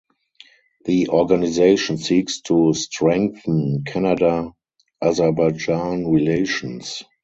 The organization seeks to strengthen Canada–Azerbaijan relations.